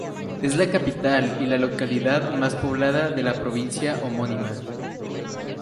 Es la capital y la localidad más poblada de la provincia homónima.